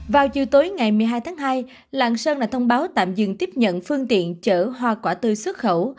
vào chiều tối ngày một mươi hai tháng hai lạng sơn đã thông báo tạm dừng tiếp nhận phương tiện chở hoa quả tươi xuất khẩu